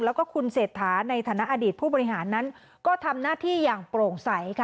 แล้วก็คุณเศรษฐาในฐานะอดีตผู้บริหารนั้นก็ทำหน้าที่อย่างโปร่งใสค่ะ